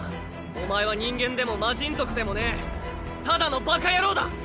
お前は人間でも魔神族でもねぇただのバカ野郎だ。